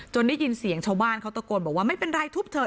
ได้ยินเสียงชาวบ้านเขาตะโกนบอกว่าไม่เป็นไรทุบเถอ